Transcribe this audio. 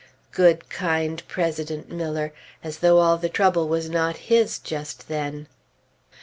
Good, kind President Miller! As though all the trouble was not his, just then!